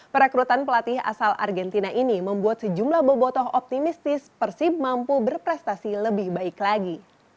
perekrutan pelatih asal argentina ini membuat sejumlah bobotoh optimistis persib mampu berprestasi lebih baik lagi